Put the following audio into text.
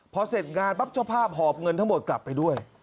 พอเสร็จงานปั๊บเจ้าภาพหอบเงินทั้งหมดกลับไปด้วย